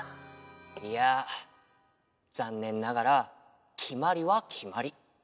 いやざんねんながらきまりはきまり。